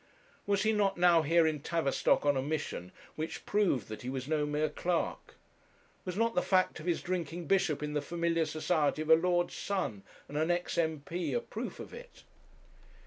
Was he not now here in Tavistock on a mission which proved that he was no mere clerk? Was not the fact of his drinking bishop in the familiar society of a lord's son, and an ex M.P., a proof of it?